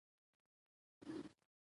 لیکوال په خپلو لیکنو کې دا هڅه کوي.